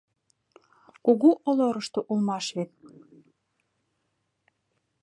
Кугу Олорышто улмаш вет.